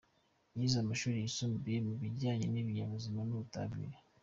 Yize amashuri yisumbuye mu bijyanye n’ibinyabuzima n’ubutabire.